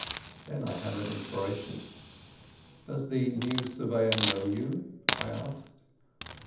Then I had an inspiration. "Does the new Surveyor know you?" I asked.